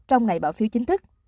trong ngày bỏ phiếu chính thức